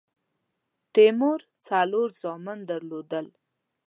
تیمور څلور زامن درلودل.